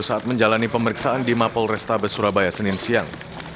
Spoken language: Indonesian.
saat menjalani pemeriksaan di mapol restabes surabaya senin siang